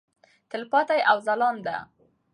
تلپاتې او ځلانده.